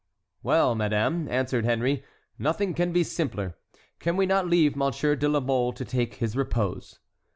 "Well, madame," answered Henry, "nothing can be simpler. Can we not leave Monsieur de la Mole to take his repose."